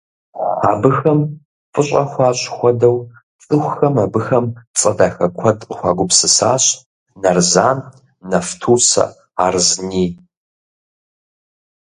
Абыхэм фӀыщӀэ хуащӀ хуэдэу цӀыхухэм абыхэм цӀэ дахэ куэд къыхуагупсысащ: «Нарзан», «Нафтусэ», «Арзни».